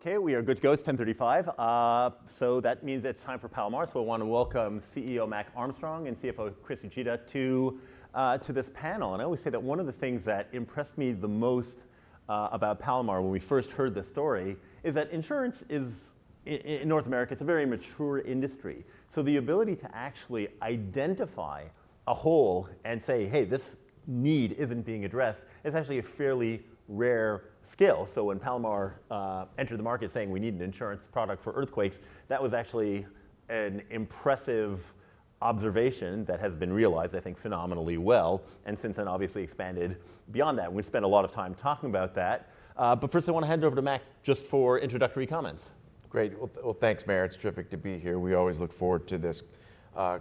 Okay, we are good to go. It's 10:35 A.M., so that means it's time for Palomar, so I want to welcome CEO Mac Armstrong and CFO Chris Uchida to this panel, and I always say that one of the things that impressed me the most about Palomar when we first heard this story is that insurance is in North America; it's a very mature industry, so the ability to actually identify a hole and say, "Hey, this need isn't being addressed," is actually a fairly rare skill, so when Palomar entered the market saying, "We need an insurance product for earthquakes," that was actually an impressive observation that has been realized, I think, phenomenally well, and since then, obviously expanded beyond that. We've spent a lot of time talking about that, but first I wanna hand it over to Mac, just for introductory comments. Great. Thanks, Meyer. It's terrific to be here. We always look forward to this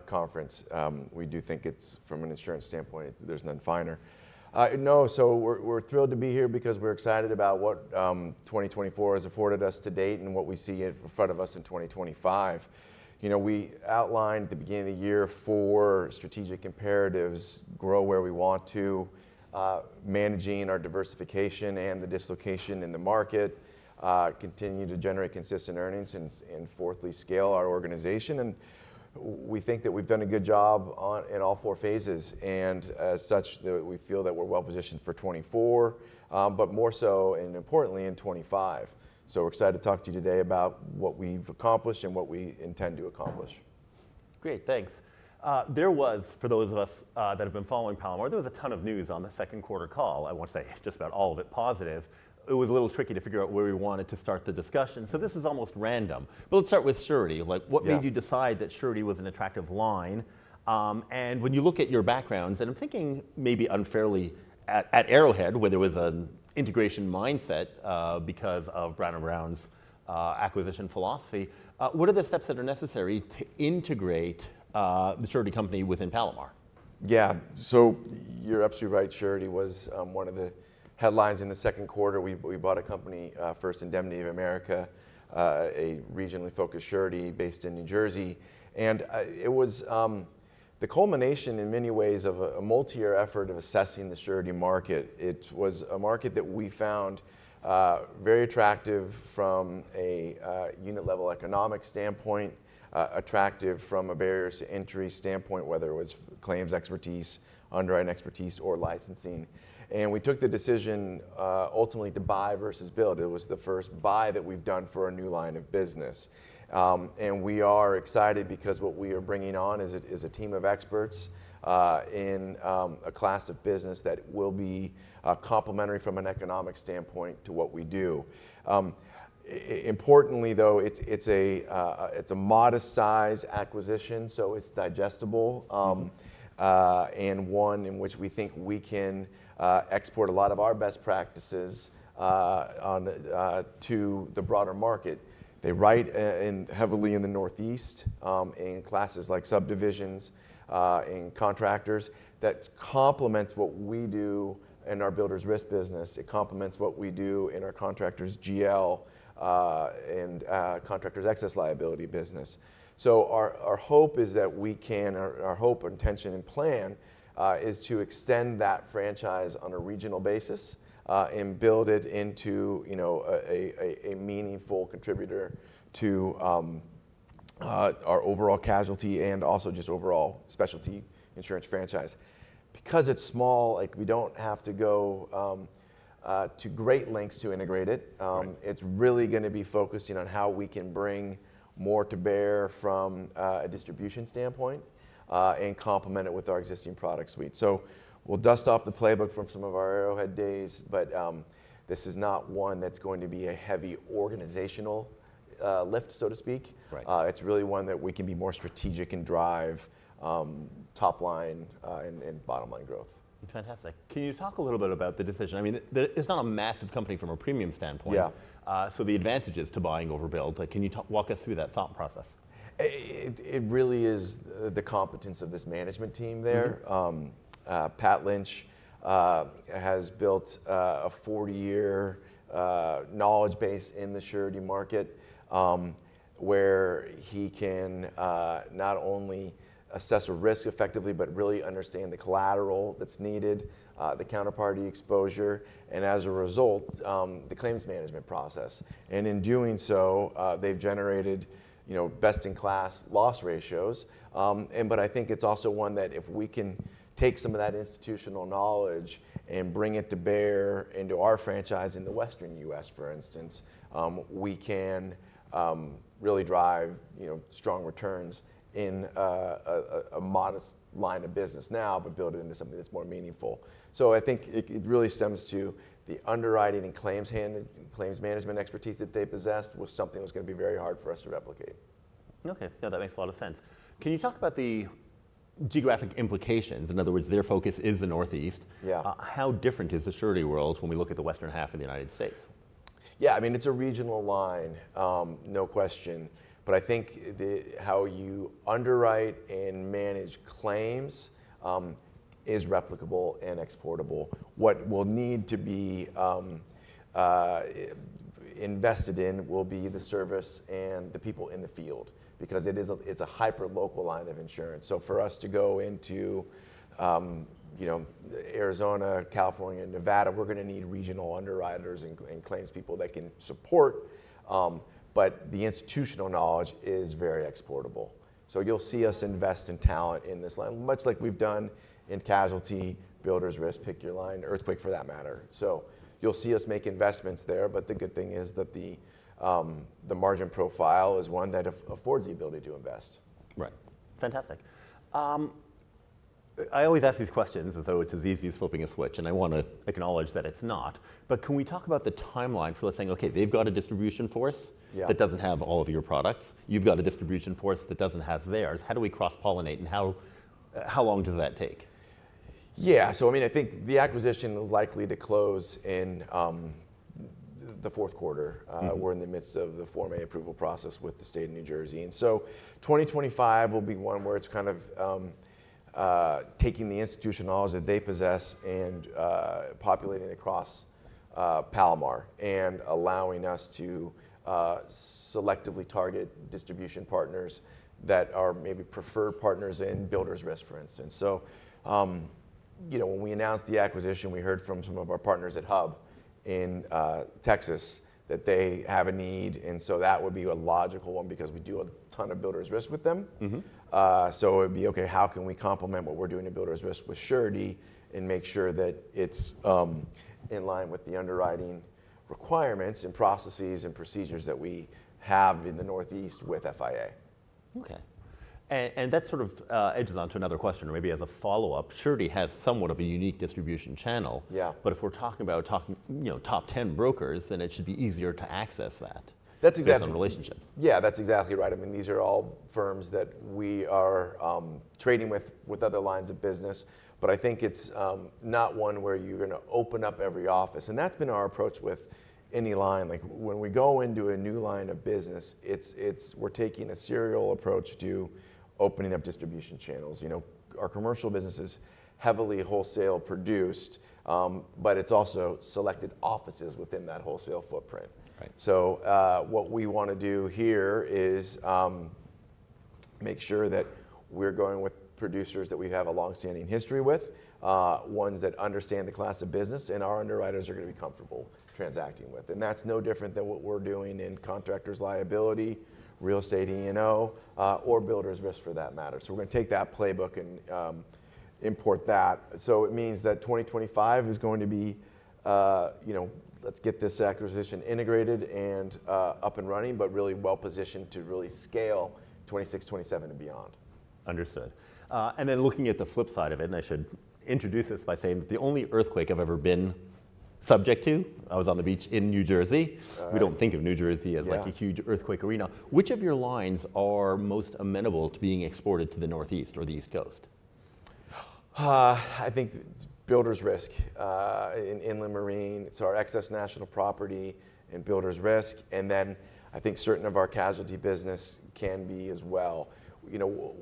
conference. We do think it's from an insurance standpoint, there's none finer. So we're thrilled to be here because we're excited about what 2024 has afforded us to date and what we see in front of us in 2025. You know, we outlined the beginning of the year four strategic imperatives: grow where we want to, managing our diversification and the dislocation in the market, continue to generate consistent earnings, and fourthly, scale our organization. We think that we've done a good job on in all four phases, and as such, we feel that we're well positioned for 2024, but more so and importantly, in 2025. So we're excited to talk to you today about what we've accomplished and what we intend to accomplish. Great, thanks. There was, for those of us that have been following Palomar, there was a ton of news on the Q2 call. I want to say just about all of it positive. It was a little tricky to figure out where we wanted to start the discussion, so this is almost random. But let's start with Surety. Yeah. Like, what made you decide that Surety was an attractive line? And when you look at your backgrounds, and I'm thinking maybe unfairly at Arrowhead, where there was an integration mindset, because of Brown & Brown's acquisition philosophy. What are the steps that are necessary to integrate the Surety company within Palomar? Yeah. So you're absolutely right. Surety was one of the headlines in the Q2. We bought a company, First Indemnity of America, a regionally focused surety based in New Jersey. And it was the culmination, in many ways, of a multi-year effort of assessing the surety market. It was a market that we found very attractive from a unit-level economics standpoint, attractive from a barriers to entry standpoint, whether it was claims expertise, underwriting expertise, or licensing. And we took the decision, ultimately, to buy versus build. It was the first buy that we've done for a new line of business. And we are excited because what we are bringing on is a team of experts in a class of business that will be complementary from an economic standpoint to what we do. Importantly, though, it's a modest-size acquisition, so it's digestible and one in which we think we can export a lot of our best practices to the broader market. They write heavily in the Northeast in classes like subdivisions in contractors. That complements what we do in our builders risk business. It complements what we do in our contractors GL and contractors' excess liability business. So our hope, intention, and plan is to extend that franchise on a regional basis, and build it into, you know, a meaningful contributor to our overall casualty and also just overall specialty insurance franchise. Because it's small, like, we don't have to go to great lengths to integrate it. It's really gonna be focusing on how we can bring more to bear from a distribution standpoint, and complement it with our existing product suite. So we'll dust off the playbook from some of our Arrowhead days, but this is not one that's going to be a heavy organizational lift, so to speak. Right. It's really one that we can be more strategic and drive top line and bottom line growth. Fantastic. Can you talk a little bit about the decision? I mean, it's not a massive company from a premium standpoint. Yeah. So the advantages to buying over build, like, can you walk us through that thought process? It really is the competence of this management team there. Mm-hmm. Pat Lynch has built a 40-year knowledge base in the surety market, where he can not only assess a risk effectively, but really understand the collateral that's needed, the counterparty exposure, and as a result, the claims management process. And in doing so, they've generated, you know, best-in-class loss ratios. And but I think it's also one that if we can take some of that institutional knowledge and bring it to bear into our franchise in the Western U.S., for instance, we can really drive, you know, strong returns in a modest line of business now, but build it into something that's more meaningful. So I think it really stems to the underwriting and claims management expertise that they possessed, was something that's gonna be very hard for us to replicate. Okay. Yeah, that makes a lot of sense. Can you talk about the geographic implications? In other words, their focus is the Northeast. Yeah. How different is the surety world when we look at the western half of the United States? Yeah, I mean, it's a regional line, no question. But I think the how you underwrite and manage claims is replicable and exportable. What will need to be invested in will be the service and the people in the field, because it is a, it's a hyper local line of insurance. So for us to go into, you know, Arizona, California, and Nevada, we're gonna need regional underwriters and claims people that can support. But the institutional knowledge is very exportable. So you'll see us invest in talent in this line, much like we've done in casualty, builders risk, pick your line, earthquake, for that matter. So you'll see us make investments there, but the good thing is that the margin profile is one that affords the ability to invest. Right. Fantastic. I always ask these questions as though it's as easy as flipping a switch, and I wanna acknowledge that it's not. But can we talk about the timeline for saying, "Okay, they've got a distribution force- Yeah. - that doesn't have all of your products. You've got a distribution force that doesn't have theirs. How do we cross-pollinate, and how, how long does that take? Yeah. So I mean, I think the acquisition is likely to close in the Q4. Mm-hmm. We're in the midst of the formal approval process with the state of New Jersey, and so 2025 will be one where it's kind of taking the institutional knowledge that they possess and populating across Palomar, and allowing us to selectively target distribution partners that are maybe preferred partners in builders risk, for instance. So, you know, when we announced the acquisition, we heard from some of our partners at Hub in Texas, that they have a need, and so that would be a logical one because we do a ton of builders risk with them. Mm-hmm. So it'd be, "Okay, how can we complement what we're doing in builders risk with Surety, and make sure that it's in line with the underwriting requirements, and processes, and procedures that we have in the Northeast with FIA? Okay. That sort of edges on to another question, or maybe as a follow-up. Surety has somewhat of a unique distribution channel. Yeah. But if we're talking about, you know, top ten brokers, then it should be easier to access that. That's exactly- - based on relationships. Yeah, that's exactly right. I mean, these are all firms that we are trading with, with other lines of business, but I think it's not one where you're gonna open up every office, and that's been our approach with any line. Like, when we go into a new line of business, it's we're taking a serial approach to opening up distribution channels. You know, our commercial business is heavily wholesale produced, but it's also selected offices within that wholesale footprint. Right. What we wanna do here is make sure that we're going with producers that we have a long-standing history with, ones that understand the class of business, and our underwriters are gonna be comfortable transacting with. That's no different than what we're doing in contractors liability, real estate E&O, or builders risk, for that matter. We're gonna take that playbook and import that. It means that 2025 is going to be, you know, let's get this acquisition integrated and up and running, but really well positioned to really scale 2026, 2027, and beyond. Understood. And then looking at the flip side of it, and I should introduce this by saying that the only earthquake I've ever been subject to, I was on the beach in New Jersey. Right. We don't think of New Jersey as- Yeah... like, a huge earthquake arena. Which of your lines are most amenable to being exported to the Northeast or the East Coast? I think builders risk in inland marine, so our excess national property and builders risk, and then I think certain of our casualty business can be as well. You know,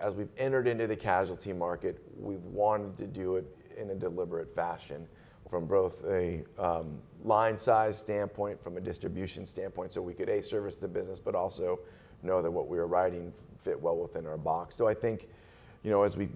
as we've entered into the casualty market, we've wanted to do it in a deliberate fashion from both a line size standpoint, from a distribution standpoint, so we could, A, service the business, but also know that what we are writing fit well within our box. So I think, you know, as we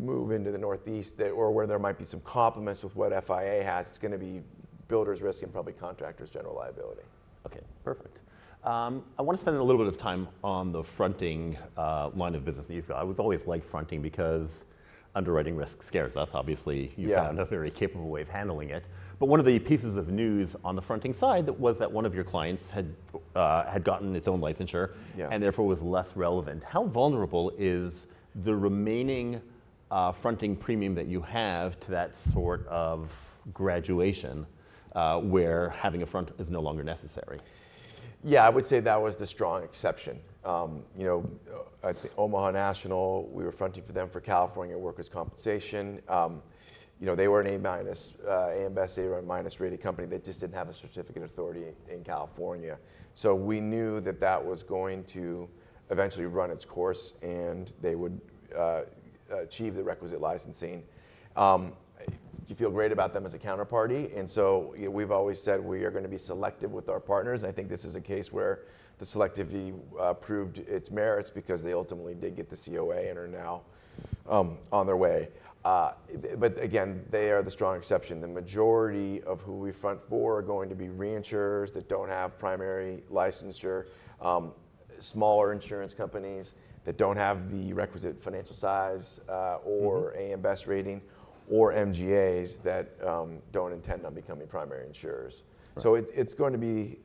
move into the Northeast, that or where there might be some complements with what FIA has, it's gonna be builders risk and probably contractor's general liability. Okay, perfect. I want to spend a little bit of time on the fronting line of business that you've got. I've always liked fronting because underwriting risk scares us. Obviously- Yeah... you found a very capable way of handling it. But one of the pieces of news on the fronting side that was that one of your clients had gotten its own licensure- Yeah... and therefore, was less relevant. How vulnerable is the remaining, fronting premium that you have to that sort of graduation, where having a front is no longer necessary? Yeah, I would say that was the strong exception. You know, at the Omaha National, we were fronting for them for California Workers' Compensation. You know, they were an A minus, A.M. Best A minus rated company that just didn't have a Certificate of Authority in California. So we knew that that was going to eventually run its course, and they would achieve the requisite licensing. You feel great about them as a counterparty, and so we've always said we are gonna be selective with our partners. I think this is a case where the selectivity proved its merits because they ultimately did get the COA and are now on their way. But again, they are the strong exception. The majority of who we front for are going to be reinsurers that don't have primary licensure, smaller insurance companies that don't have the requisite financial size. Mm-hmm... or A.M. Best rating, or MGAs that don't intend on becoming primary insurers. Right.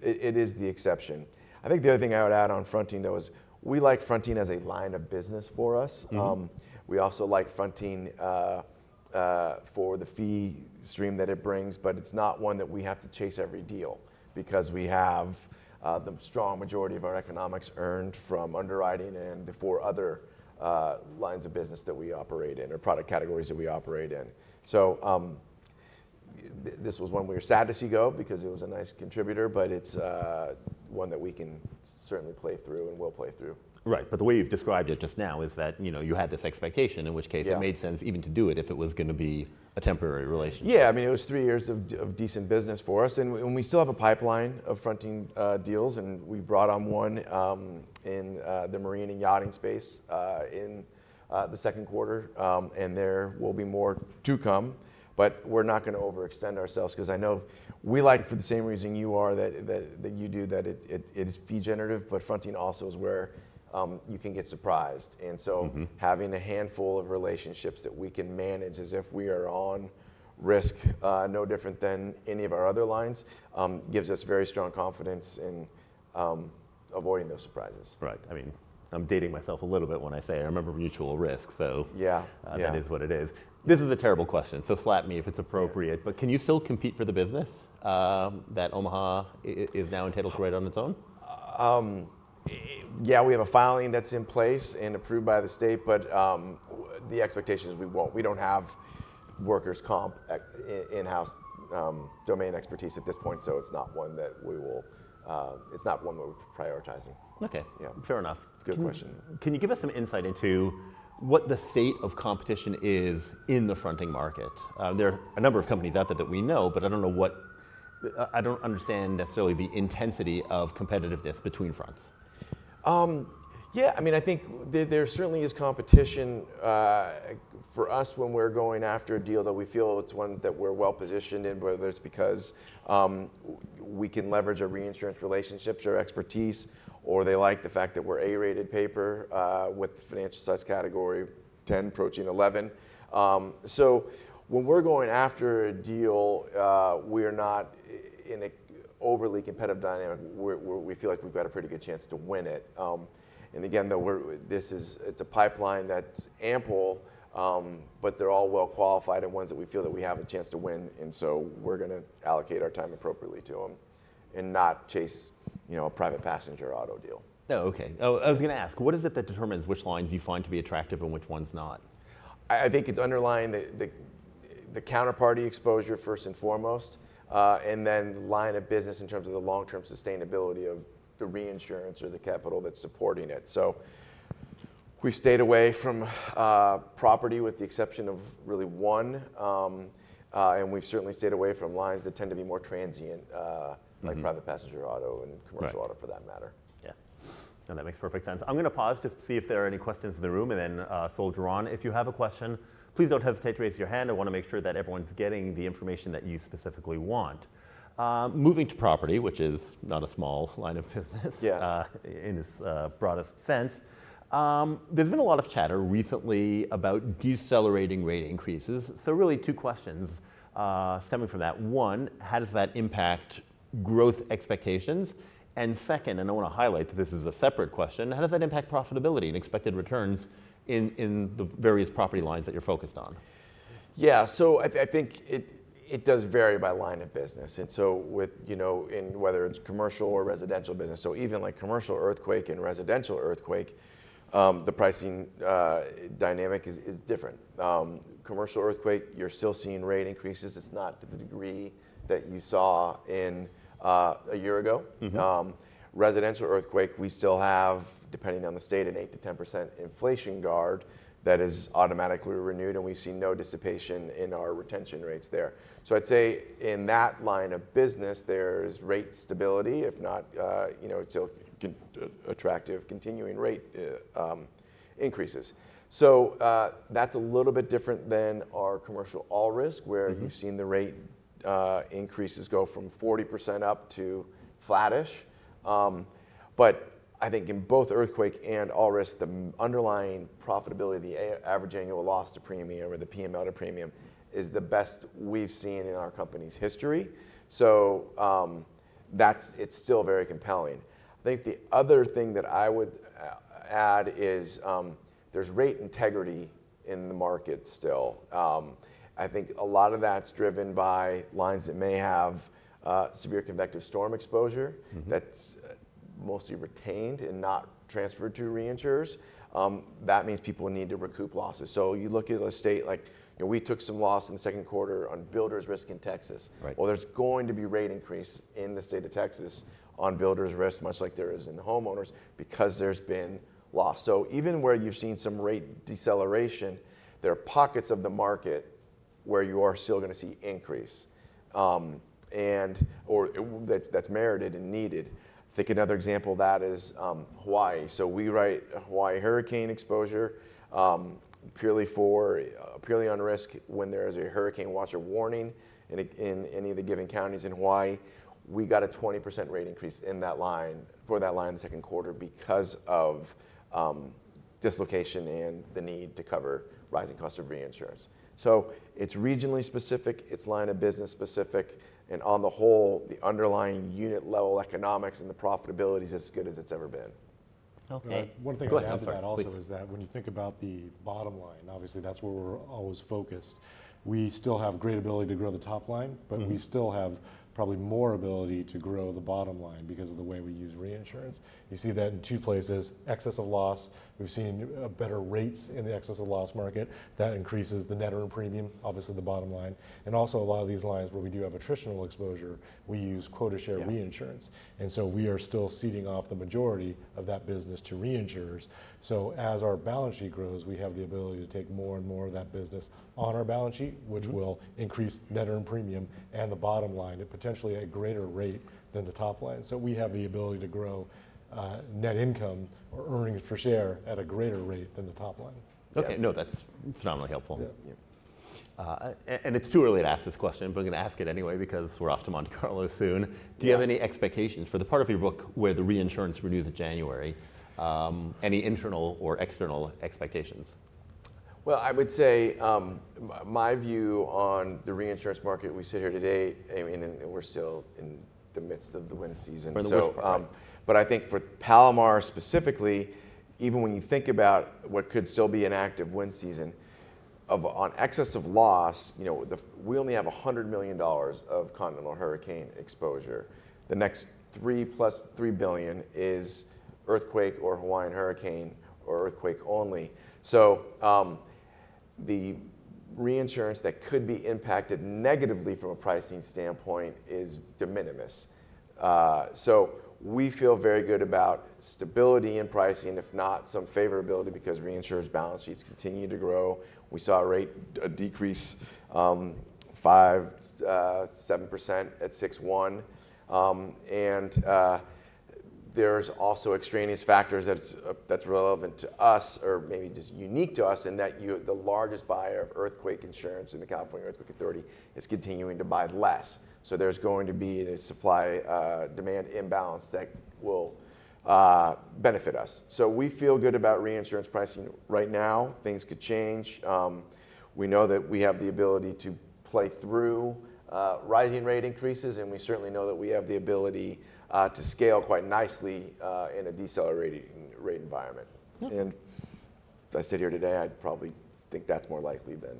It is the exception. I think the other thing I would add on fronting, though, is we like fronting as a line of business for us. Mm-hmm. We also like fronting for the fee stream that it brings, but it's not one that we have to chase every deal, because we have the strong majority of our economics earned from underwriting and the four other lines of business that we operate in, or product categories that we operate in. So, this was one we were sad to see go because it was a nice contributor, but it's one that we can certainly play through and will play through. Right, but the way you've described it just now is that, you know, you had this expectation, in which case- Yeah... it made sense even to do it, if it was gonna be a temporary relationship. Yeah. I mean, it was three years of decent business for us, and we still have a pipeline of fronting deals, and we brought on one in the marine and yachting space in the Q2. And there will be more to come, but we're not gonna overextend ourselves, 'cause I know we like, for the same reason you are, that you do that, it is fee generative, but fronting also is where you can get surprised. And so- Mm-hmm... having a handful of relationships that we can manage as if we are on risk, no different than any of our other lines, gives us very strong confidence in avoiding those surprises. Right. I mean, I'm dating myself a little bit when I say I remember Mutual Risk, so- Yeah. Yeah... it is what it is. This is a terrible question, so slap me if it's appropriate. Yeah. But can you still compete for the business, that Omaha is now entitled to write on its own? Yeah, we have a filing that's in place and approved by the state, but the expectation is we won't. We don't have workers' comp in-house domain expertise at this point, so it's not one that we're prioritizing. Okay. Yeah. Fair enough. Good question. Can you give us some insight into what the state of competition is in the fronting market? There are a number of companies out there that we know, but I don't know what... I don't understand necessarily the intensity of competitiveness between fronts. Yeah, I mean, I think there certainly is competition. For us, when we're going after a deal that we feel it's one that we're well positioned in, whether it's because we can leverage our reinsurance relationships or expertise, or they like the fact that we're A-rated paper with financial size category X, approaching XI. So when we're going after a deal, we're not in a overly competitive dynamic. We feel like we've got a pretty good chance to win it. And again, though, this is, it's a pipeline that's ample, but they're all well qualified and ones that we feel that we have a chance to win, and so we're gonna allocate our time appropriately to 'em and not chase, you know, a private passenger auto deal. Oh, okay. Oh, I was gonna ask, what is it that determines which lines you find to be attractive and which ones not? I think it's underlying the counterparty exposure, first and foremost, and then line of business in terms of the long-term sustainability of the reinsurance or the capital that's supporting it. So we've stayed away from property with the exception of really one, and we've certainly stayed away from lines that tend to be more transient. Mm-hmm... like private passenger auto and commercial- Right... auto, for that matter. Yeah. No, that makes perfect sense. I'm gonna pause just to see if there are any questions in the room, and then, soldier on. If you have a question, please don't hesitate to raise your hand. I wanna make sure that everyone's getting the information that you specifically want. Moving to property, which is not a small line of business- Yeah... in this broadest sense. There's been a lot of chatter recently about decelerating rate increases. So really two questions stemming from that. One, how does that impact growth expectations? And second, and I wanna highlight that this is a separate question, how does that impact profitability and expected returns in the various property lines that you're focused on? Yeah, so I think it does vary by line of business, and so with, you know, in whether it's commercial or residential business, so even like commercial earthquake and residential earthquake, the pricing dynamic is different. Commercial earthquake, you're still seeing rate increases. It's not to the degree that you saw in a year ago. Mm-hmm. Residential Earthquake, we still have, depending on the state, an 8%-10% inflation guard that is automatically renewed, and we see no dissipation in our retention rates there. So I'd say in that line of business, there's rate stability, if not, you know, still attractive continuing rate increases. So, that's a little bit different than our Commercial All Risk- Mm-hmm... where you've seen the rate increases go from 40% up to flattish. But I think in both earthquake and all risk, the underlying profitability, the average annual loss to premium or the PML out of premium, is the best we've seen in our company's history. That's it. It's still very compelling. I think the other thing that I would add is, there's rate integrity in the market still. I think a lot of that's driven by lines that may have severe convective storm exposure- Mm-hmm... that's mostly retained and not transferred to reinsurers. That means people need to recoup losses. So you look at a state like, you know, we took some loss in the Q2 on builders risk in Texas. Right. There's going to be rate increase in the state of Texas on builders risk, much like there is in the homeowners, because there's been loss. Even where you've seen some rate deceleration, there are pockets of the market where you are still gonna see increase, and or that, that's merited and needed. I think another example of that is Hawaii. We write Hawaii Hurricane exposure, purely for, purely on risk when there is a hurricane watch or warning in any of the given counties in Hawaii. We got a 20% rate increase in that line, for that line in the Q2 because of dislocation and the need to cover rising cost of reinsurance. So it's regionally specific, it's line of business specific, and on the whole, the underlying unit level economics and the profitability is as good as it's ever been.... One thing I'd add to that also is that when you think about the bottom line, obviously that's where we're always focused. We still have great ability to grow the top line, but we still have probably more ability to grow the bottom line because of the way we use reinsurance. You see that in two places. Excess of loss, we've seen better rates in the excess of loss market. That increases the net earned premium, obviously, the bottom line. And also, a lot of these lines where we do have attritional exposure, we use quota share reinsurance. Yeah. And so we are still ceding off the majority of that business to reinsurers. So as our balance sheet grows, we have the ability to take more and more of that business on our balance sheet, which will increase net earned premium and the bottom line at potentially a greater rate than the top line. So we have the ability to grow net income or earnings per share at a greater rate than the top line. Okay. No, that's phenomenally helpful. Yeah. Yeah, and it's too early to ask this question, but I'm going to ask it anyway because we're off to Monte Carlo soon. Yeah. Do you have any expectations for the part of your book where the reinsurance renews in January, any internal or external expectations? I would say my view on the reinsurance market. We sit here today, and we're still in the midst of the wind season. For the most part. But I think for Palomar specifically, even when you think about what could still be an active wind season, on excess of loss, you know, we only have $100 million of continental hurricane exposure. The next $3 billion plus $3 billion is earthquake or Hawaiian hurricane or earthquake only. So, the reinsurance that could be impacted negatively from a pricing standpoint is de minimis. So we feel very good about stability in pricing, if not some favorability, because reinsurers' balance sheets continue to grow. We saw a rate decrease 5%-7% at 6/1. And, there's also extraneous factors that's relevant to us or maybe just unique to us, in that the largest buyer of earthquake insurance in the California Earthquake Authority is continuing to buy less. So there's going to be a supply, demand imbalance that will benefit us. So we feel good about reinsurance pricing right now. Things could change. We know that we have the ability to play through rising rate increases, and we certainly know that we have the ability to scale quite nicely in a decelerating rate environment. Yeah. And if I sit here today, I'd probably think that's more likely than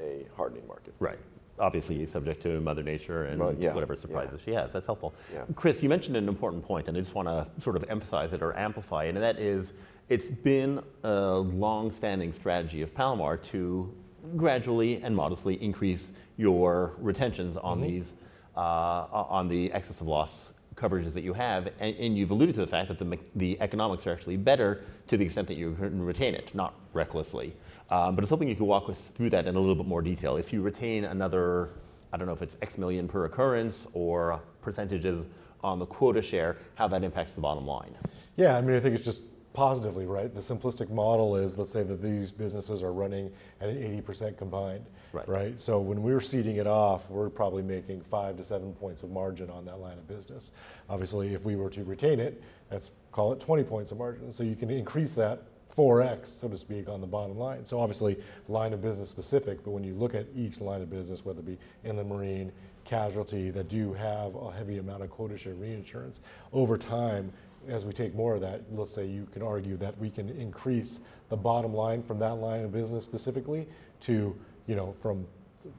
a hardening market. Right. Obviously, subject to Mother Nature and- Well, yeah... whatever surprises she has. That's helpful. Yeah. Chris, you mentioned an important point, and I just want to sort of emphasize it or amplify it, and that is it's been a long-standing strategy of Palomar to gradually and modestly increase your retentions on these- Mm-hmm... on the excess of loss coverages that you have. And you've alluded to the fact that the economics are actually better to the extent that you retain it, not recklessly. But it's something you can walk us through that in a little bit more detail. If you retain another, I don't know if it's X million per occurrence or percentages on the quota share, how that impacts the bottom line. Yeah, I mean, I think it's just positively right. The simplistic model is, let's say that these businesses are running at 80% combined. Right. Right? So when we're ceding it off, we're probably making five to seven points of margin on that line of business. Obviously, if we were to retain it, let's call it 20 points of margin. So you can increase that 4x, so to speak, on the bottom line. So obviously, line of business specific, but when you look at each line of business, whether it be in the inland marine, casualty, that do have a heavy amount of quota share reinsurance, over time, as we take more of that, let's say you could argue that we can increase the bottom line from that line of business specifically to, you know,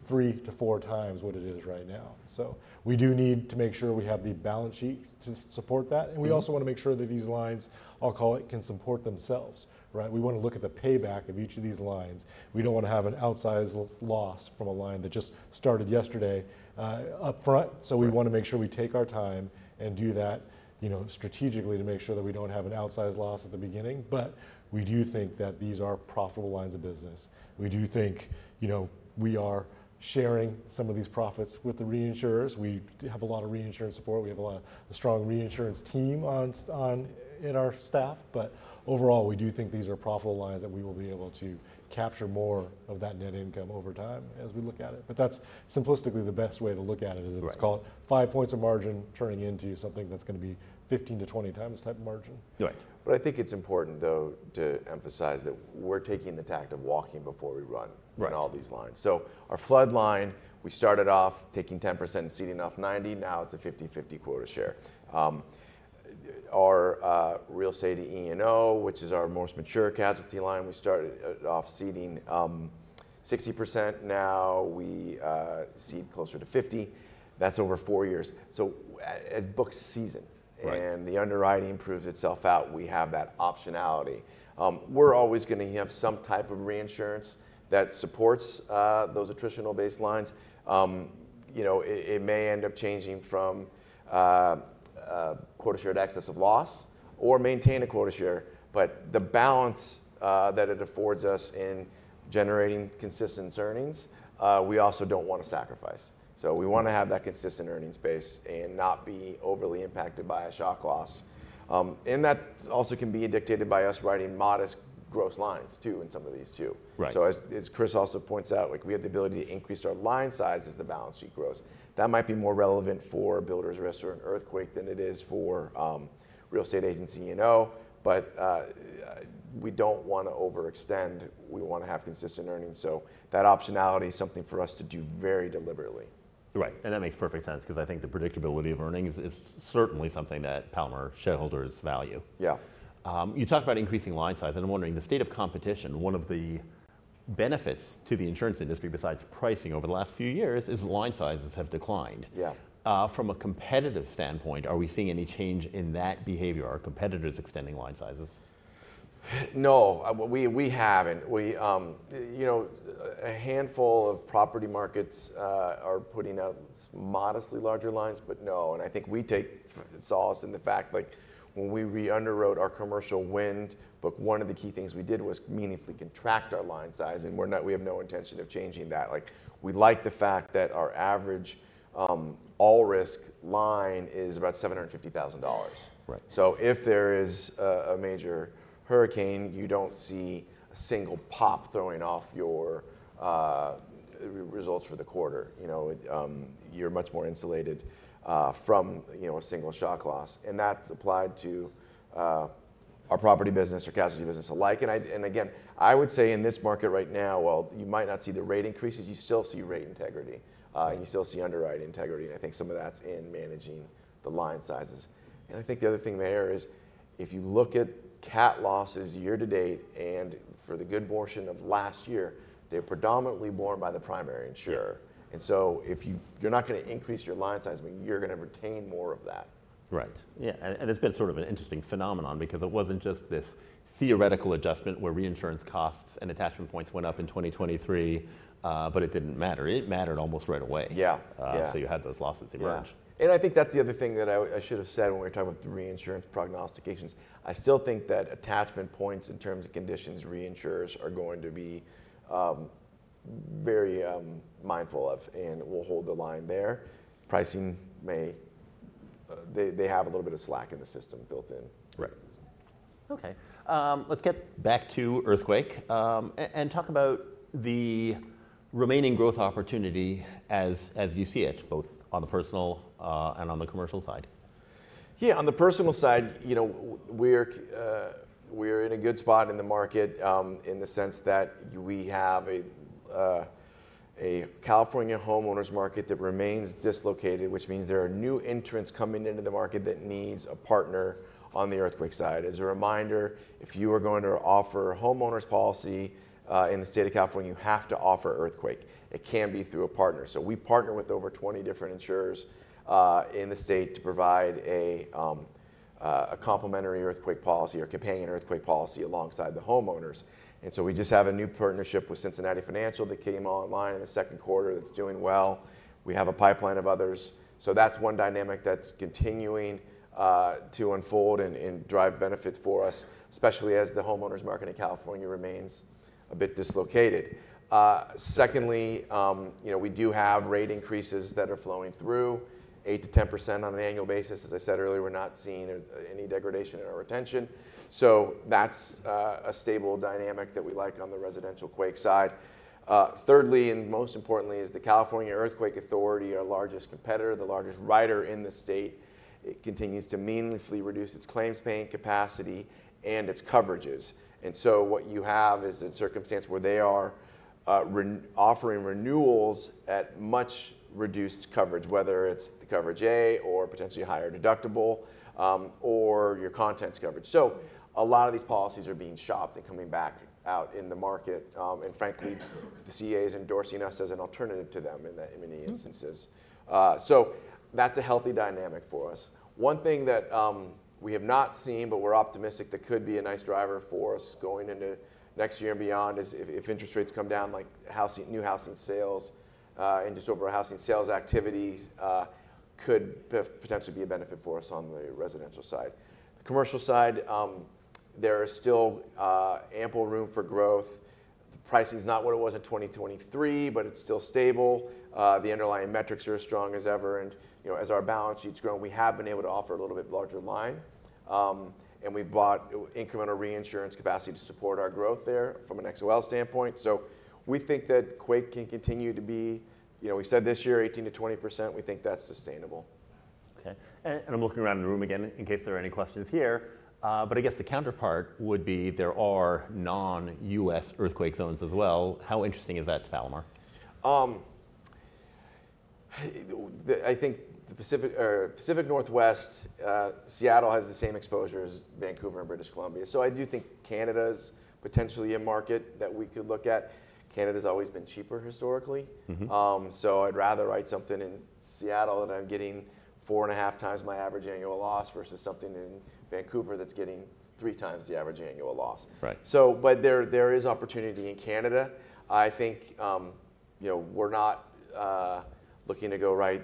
three to four times what it is right now. So we do need to make sure we have the balance sheet to support that. Mm-hmm. We also want to make sure that these lines, I'll call it, can support themselves, right? We want to look at the payback of each of these lines. We don't want to have an outsized loss from a line that just started yesterday, upfront. Right. So we want to make sure we take our time and do that, you know, strategically to make sure that we don't have an outsized loss at the beginning. But we do think that these are profitable lines of business. We do think, you know, we are sharing some of these profits with the reinsurers. We have a lot of reinsurance support. We have a lot of a strong reinsurance team on our staff. But overall, we do think these are profitable lines that we will be able to capture more of that net income over time as we look at it. But that's simplistically the best way to look at it, is it's- Right... called five points of margin, turning into something that's going to be 15-20 times type of margin. Right. But I think it's important, though, to emphasize that we're taking the tack of walking before we run- Right in all these lines. Our flood line, we started off taking 10% and ceding off 90%, now it's a 50-50 quota share. Our real estate E&O, which is our most mature casualty line, we started off ceding 60%, now we cede closer to 50%. That's over four years. As books season- Right... and the underwriting proves itself out, we have that optionality. We're always going to have some type of reinsurance that supports those attritional baselines. You know, it may end up changing from a quota share to excess of loss or maintain a quota share, but the balance that it affords us in generating consistent earnings, we also don't want to sacrifice, so we want to have that consistent earnings base and not be overly impacted by a shock loss, and that also can be dictated by us writing modest gross lines too, in some of these too. Right. So as Chris also points out, like, we have the ability to increase our line size as the balance sheet grows. That might be more relevant for builders risk or an earthquake than it is for real estate E&O, but we don't want to overextend. We want to have consistent earnings. So that optionality is something for us to do very deliberately.... Right, and that makes perfect sense, because I think the predictability of earnings is certainly something that Palomar shareholders value. Yeah. You talked about increasing line size, and I'm wondering, the state of competition, one of the benefits to the insurance industry, besides pricing over the last few years, is line sizes have declined. Yeah. From a competitive standpoint, are we seeing any change in that behavior? Are competitors extending line sizes? No, we haven't. We, you know, a handful of property markets are putting out modestly larger lines, but no, and I think we take solace in the fact, like, when we reunderwrote our commercial wind, but one of the key things we did was meaningfully contract our line size, and we're not. We have no intention of changing that. Like, we like the fact that our average, all risk line is about $750,000. Right. So if there is a major hurricane, you don't see a single pop throwing off your results for the quarter. You know, you're much more insulated from, you know, a single shock loss, and that's applied to our property business or casualty business alike. And again, I would say in this market right now, while you might not see the rate increases, you still see rate integrity. You still see underwriting integrity, and I think some of that's in managing the line sizes. And I think the other thing there is, if you look at cat losses year to date, and for the good portion of last year, they're predominantly borne by the primary insurer. Yeah. And so if you... You're not gonna increase your line size, but you're gonna retain more of that. Right. Yeah, and, and it's been sort of an interesting phenomenon because it wasn't just this theoretical adjustment where reinsurance costs and attachment points went up in 2023, but it didn't matter. It mattered almost right away. Yeah. Yeah. So you had those losses emerge. Yeah, and I think that's the other thing that I should have said when we were talking about the reinsurance prognostications. I still think that attachment points in terms of conditions, reinsurers are going to be very mindful of and will hold the line there. Pricing? They have a little bit of slack in the system built in. Right. Okay, let's get back to earthquake and talk about the remaining growth opportunity as you see it, both on the personal and on the commercial side. Yeah. On the personal side, you know, we're in a good spot in the market, in the sense that we have a California homeowners market that remains dislocated, which means there are new entrants coming into the market that needs a partner on the earthquake side. As a reminder, if you are going to offer a homeowners policy, in the state of California, you have to offer earthquake. It can be through a partner. So we partner with over 20 different insurers, in the state to provide a complementary earthquake policy or companion earthquake policy alongside the homeowners. And so we just have a new partnership with Cincinnati Financial that came online in the Q2 that's doing well. We have a pipeline of others. So that's one dynamic that's continuing to unfold and drive benefits for us, especially as the homeowners market in California remains a bit dislocated. Secondly, you know, we do have rate increases that are flowing through 8%-10% on an annual basis. As I said earlier, we're not seeing any degradation in our retention. So that's a stable dynamic that we like on the residential quake side. Thirdly, and most importantly, is the California Earthquake Authority, our largest competitor, the largest writer in the state. It continues to meaningfully reduce its claims-paying capacity and its coverages. And so what you have is a circumstance where they are re-offering renewals at much reduced coverage, whether it's the coverage A or potentially a higher deductible, or your contents coverage. So a lot of these policies are being shopped and coming back out in the market, and frankly, the CEA's endorsing us as an alternative to them in many instances. Mm-hmm. So that's a healthy dynamic for us. One thing that we have not seen, but we're optimistic that could be a nice driver for us going into next year and beyond, is if interest rates come down, like housing, new housing sales, and just overall housing sales activities, could potentially be a benefit for us on the residential side. The commercial side, there is still ample room for growth. The pricing is not what it was in 2023, but it's still stable. The underlying metrics are as strong as ever, and, you know, as our balance sheet's grown, we have been able to offer a little bit larger line. And we've bought incremental reinsurance capacity to support our growth there from an XOL standpoint. We think that quake can continue to be, you know, we said this year, 18%-20%, we think that's sustainable. Okay. And I'm looking around the room again in case there are any questions here, but I guess the counterpart would be there are non-U.S. earthquake zones as well. How interesting is that to Palomar? I think the Pacific, or Pacific Northwest, Seattle has the same exposure as Vancouver and British Columbia. So I do think Canada's potentially a market that we could look at. Canada's always been cheaper historically. Mm-hmm. So, I'd rather write something in Seattle, and I'm getting four and a half times my average annual loss, versus something in Vancouver that's getting three times the average annual loss. Right. So, but there is opportunity in Canada. I think, you know, we're not looking to go right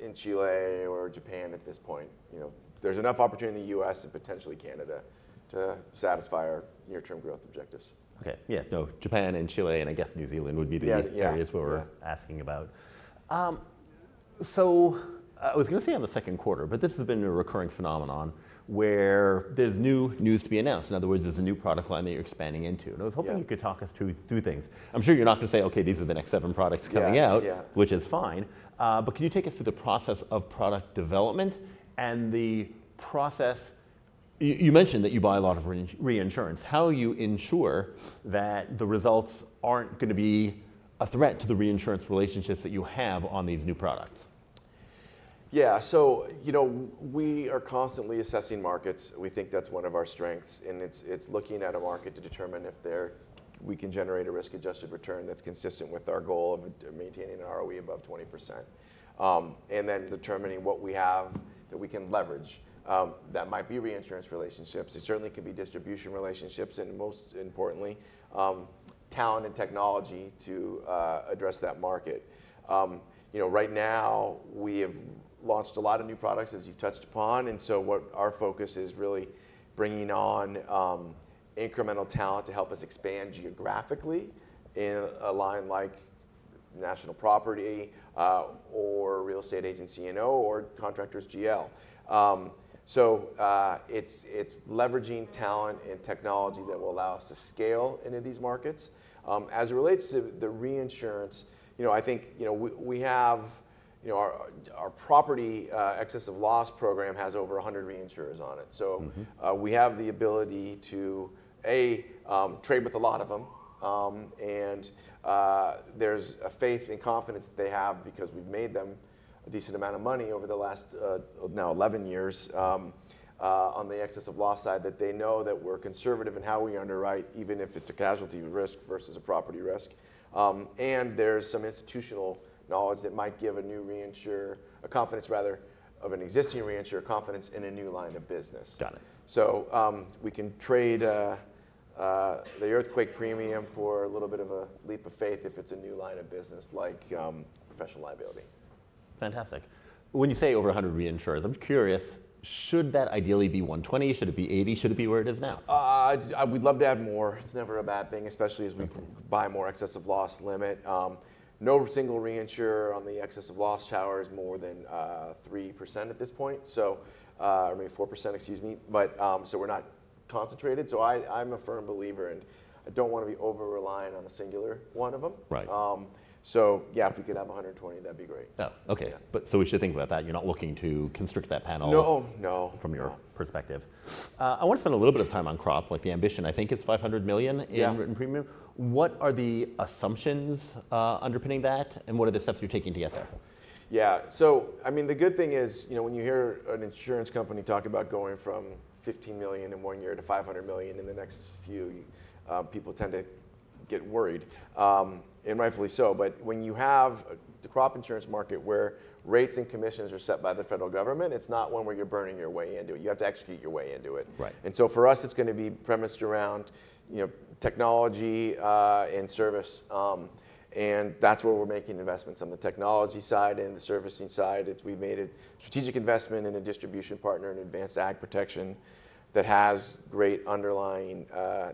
in Chile or Japan at this point. You know, there's enough opportunity in the U.S. and potentially Canada to satisfy our near-term growth objectives. Okay. Yeah, no, Japan and Chile, and I guess New Zealand would be the- Yeah, yeah... areas we're asking about. So I was gonna say on the Q2, but this has been a recurring phenomenon where there's new news to be announced. In other words, there's a new product line that you're expanding into. Yeah. And I was hoping you could talk us through two things. I'm sure you're not gonna say, "Okay, these are the next seven products coming out- Yeah, yeah. which is fine, but can you take us through the process of product development? You mentioned that you buy a lot of reinsurance. How will you ensure that the results aren't gonna be a threat to the reinsurance relationships that you have on these new products? Yeah, so, you know, we are constantly assessing markets. We think that's one of our strengths, and it's looking at a market to determine if there we can generate a risk-adjusted return that's consistent with our goal of maintaining an ROE above 20%. And then determining what we have that we can leverage. That might be reinsurance relationships, it certainly could be distribution relationships, and most importantly, talent and technology to address that market. You know, right now, we have launched a lot of new products, as you've touched upon, and so what our focus is really bringing on incremental talent to help us expand geographically in a line like national property, or real estate agency, you know, or contractors GL. So, it's leveraging talent and technology that will allow us to scale into these markets. As it relates to the reinsurance, you know, I think, you know, we have, you know, our property excess of loss program has over 100 reinsurers on it. Mm-hmm. So, we have the ability to trade with a lot of them, and there's a faith and confidence that they have because we've made them a decent amount of money over the last, now eleven years, on the excess of loss side, that they know that we're conservative in how we underwrite, even if it's a casualty risk versus a property risk. And there's some institutional knowledge that might give a new reinsurer, a confidence rather, of an existing reinsurer confidence in a new line of business. Got it. We can trade the earthquake premium for a little bit of a leap of faith if it's a new line of business, like, professional liability. Fantastic. When you say over a hundred reinsurers, I'm curious, should that ideally be 120? Should it be 80? Should it be where it is now? We'd love to add more. It's never a bad thing, especially as we- Mm... buy more excess of loss limit. No single reinsurer on the excess of loss tower is more than 3% at this point, so I mean, 4%, excuse me. But so we're not concentrated. So I'm a firm believer, and I don't want to be over-reliant on a singular one of them. Right. So yeah, if we could have a 120, that'd be great. Oh, okay. Yeah. But so we should think about that. You're not looking to constrict that panel- No, no... from your perspective. I want to spend a little bit of time on crop, like the ambition, I think, is $500 million in- Yeah - written premium. What are the assumptions underpinning that, and what are the steps you're taking to get there? Yeah. So, I mean, the good thing is, you know, when you hear an insurance company talk about going from $15 million in one year to $500 million in the next few, people tend to get worried, and rightfully so. But when you have the crop insurance market, where rates and commissions are set by the federal government, it's not one where you're burning your way into it. You have to execute your way into it. Right. And so for us, it's gonna be premised around, you know, technology and service, and that's where we're making investments on the technology side and the servicing side. We've made a strategic investment in a distribution partner, in Advanced AgProtection, that has great underlying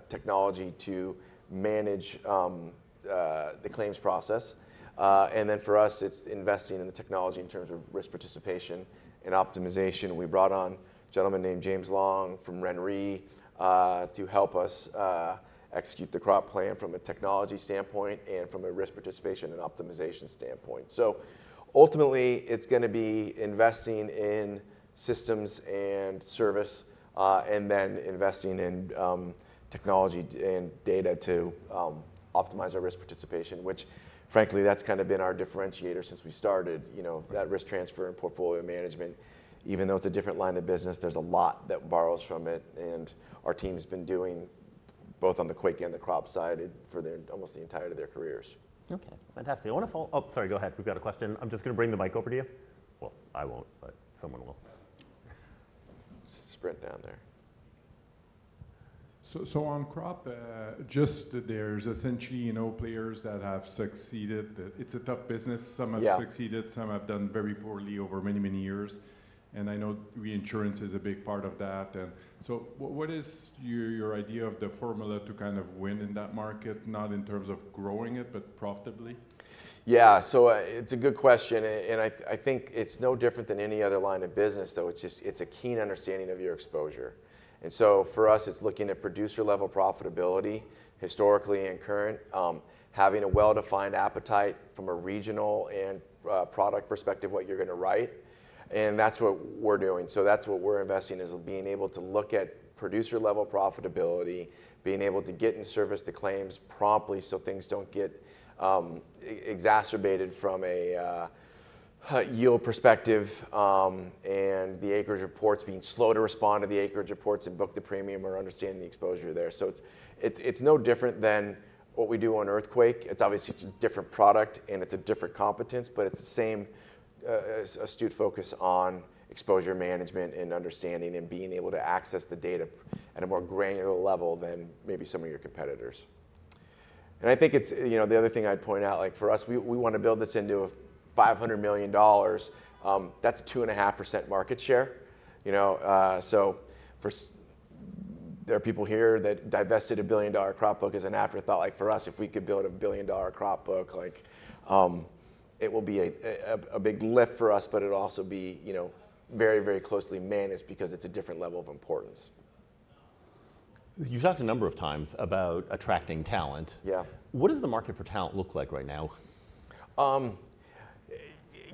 technology to manage the claims process. And then for us, it's investing in the technology in terms of risk participation and optimization. We brought on a gentleman named James Long from RenRe to help us execute the crop plan from a technology standpoint and from a risk participation and optimization standpoint. So ultimately, it's gonna be investing in systems and service, and then investing in technology and data to optimize our risk participation, which frankly, that's kind of been our differentiator since we started. You know, that risk transfer and portfolio management, even though it's a different line of business, there's a lot that borrows from it, and our team's been doing, both on the quake and the crop side, for almost the entirety of their careers. Okay, fantastic. Oh, sorry, go ahead. We've got a question. I'm just gonna bring the mic over to you. Well, I won't, but someone will. Sprint down there. So on crop, just there's essentially, you know, players that have succeeded. It's a tough business. Yeah. Some have succeeded, some have done very poorly over many, many years, and I know reinsurance is a big part of that. And so what is your idea of the formula to kind of win in that market, not in terms of growing it, but profitably? Yeah. So, it's a good question, and I think it's no different than any other line of business, though. It's just a keen understanding of your exposure. And so for us, it's looking at producer-level profitability, historically and current, having a well-defined appetite from a regional and product perspective, what you're gonna write, and that's what we're doing. So that's what we're investing in, is being able to look at producer-level profitability, being able to get and service the claims promptly so things don't get exacerbated from a yield perspective, and the acreage reports, being slow to respond to the acreage reports and book the premium or understanding the exposure there. So it's no different than what we do on earthquake. It's obviously, it's a different product and it's a different competence, but it's the same astute focus on exposure management and understanding, and being able to access the data at a more granular level than maybe some of your competitors. And I think it's, you know, the other thing I'd point out, like for us, we, we want to build this into a $500 million. That's 2.5% market share. You know, so for there are people here that divested a $1 billion crop book as an afterthought. Like for us, if we could build a $1 billion crop book, like, it will be a, a, a big lift for us, but it'll also be, you know, very, very closely managed because it's a different level of importance.... You've talked a number of times about attracting talent. Yeah. What does the market for talent look like right now?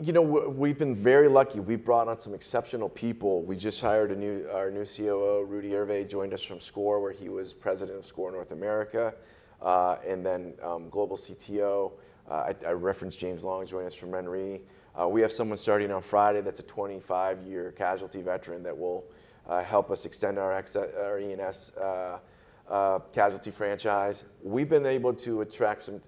You know, we've been very lucky. We've brought on some exceptional people. We just hired our new COO, Rudy Herve, joined us from SCOR, where he was president of SCOR North America. And then global CTO, I referenced James Long, joined us from RenRe. We have someone starting on Friday that's a 25-year casualty veteran that will help us extend our E&S casualty franchise. We've been able to attract some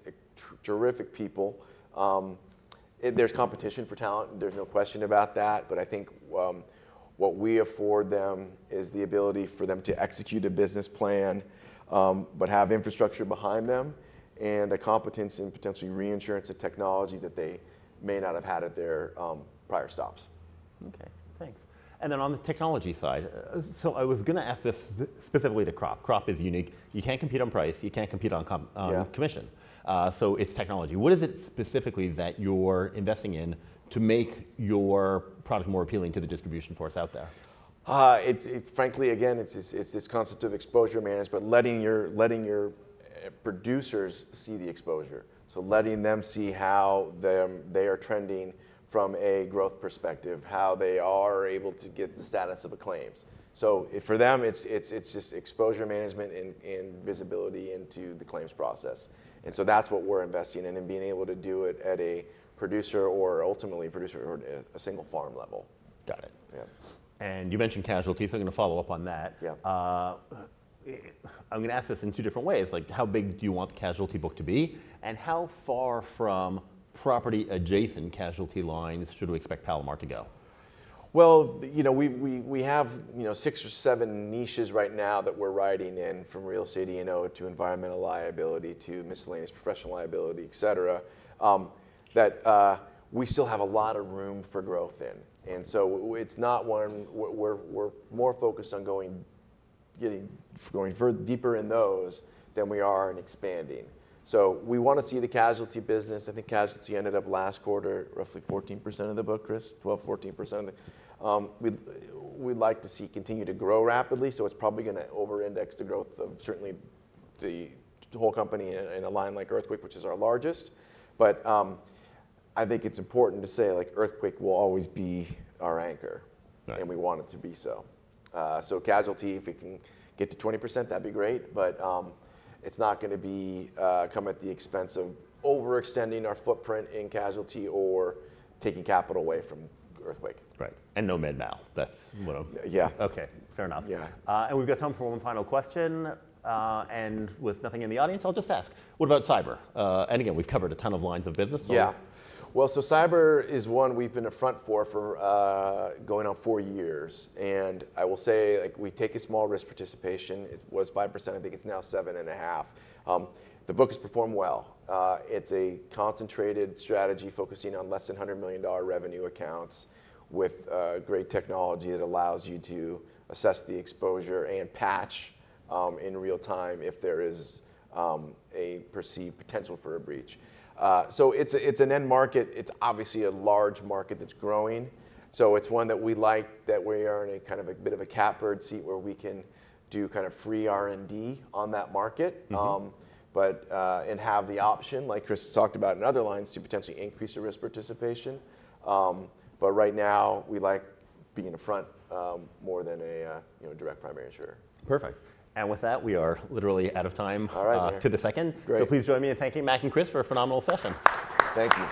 terrific people. And there's competition for talent, there's no question about that, but I think what we afford them is the ability for them to execute a business plan, but have infrastructure behind them, and a competence in potentially reinsurance and technology that they may not have had at their prior stops. Okay, thanks. And then on the technology side, so I was gonna ask this specifically to crop. Crop is unique. You can't compete on price, you can't compete on commission. Yeah. So it's technology. What is it specifically that you're investing in to make your product more appealing to the distribution force out there? Frankly, again, it's this concept of exposure managed, but letting your producers see the exposure. So letting them see how they are trending from a growth perspective, how they are able to get the status of the claims. So for them, it's just exposure management and visibility into the claims process. And so that's what we're investing in, and being able to do it at a producer or ultimately a single farm level. Got it. Yeah. You mentioned casualty. I'm gonna follow up on that. Yeah. I'm gonna ask this in two different ways. Like, how big do you want the casualty book to be? And how far from property adjacent casualty lines should we expect Palomar to go? You know, we have six or seven niches right now that we're riding in, from real estate E&O, to environmental liability, to miscellaneous professional liability, et cetera, that we still have a lot of room for growth in. And so it's not one. We're more focused on going deeper in those, than we are in expanding. So we want to see the casualty business. I think casualty ended up last quarter, roughly 14% of the book, Chris? 12-14%. We'd like to see it continue to grow rapidly, so it's probably gonna over-index the growth of certainly the whole company in a line like earthquake, which is our largest. But I think it's important to say, like, earthquake will always be our anchor. Right. We want it to be so. So casualty, if it can get to 20%, that'd be great, but it's not gonna come at the expense of overextending our footprint in casualty or taking capital away from earthquake. Right, and no med-mal, that's what I'm- Yeah. Okay, fair enough. Yeah. And we've got time for one final question. And with nothing in the audience, I'll just ask: What about cyber? And again, we've covered a ton of lines of business, so. Yeah. Well, so cyber is one we've been a front for, going on four years. And I will say, like, we take a small risk participation. It was 5%, I think it's now 7.5%. The book has performed well. It's a concentrated strategy focusing on less than $100 million revenue accounts with great technology that allows you to assess the exposure and patch in real time if there is a perceived potential for a breach. So it's an end market, it's obviously a large market that's growing. So it's one that we like, that we are in a kind of a catbird seat, where we can do kind of free R&D on that market. Mm-hmm. And have the option, like Chris has talked about in other lines, to potentially increase the risk participation. But right now, we like being a front more than a, you know, direct primary insurer. Perfect. And with that, we are literally out of time- All right. to the second. Great. So please join me in thanking Mac and Chris for a phenomenal session. Thank you.